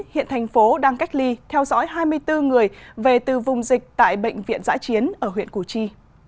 hiện thành phố đang cách ly theo dõi hai mươi bốn người về từ vùng dịch tại bệnh viện giãi chiến ở huyện củ chi